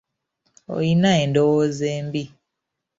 Olina endowooza embi.